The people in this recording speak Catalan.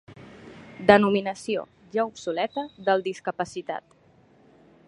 Denominació ja obsoleta del discapacitat.